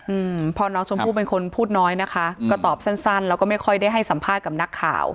อืมพ่อน้องชมพู่เป็นคนพูดน้อยนะคะก็ตอบสั้นสั้นแล้วก็ไม่ค่อยได้ให้สัมภาษณ์กับนักข่าว